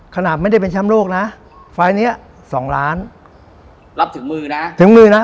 ขนาดไม่ได้เป็นแชมป์โลกนะไฟล์นี้๒ล้านรับถึงมือนะถึงมือนะ